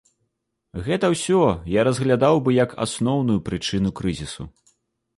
Гэта ўсё я разглядаў бы, як асноўную прычыну крызісу.